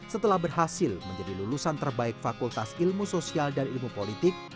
setelah berhasil menjadi lulusan terbaik fakultas ilmu sosial dan ilmu politik